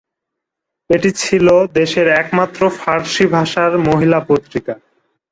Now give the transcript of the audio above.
এটি ছিল দেশের একমাত্র ফার্সি ভাষার মহিলা পত্রিকা।